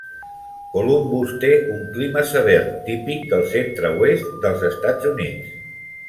Columbus té un clima sever, típic del centre-oest dels Estats Units.